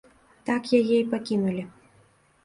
Так яе і пакінулі.